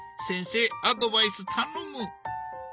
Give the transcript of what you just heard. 先生アドバイス頼む。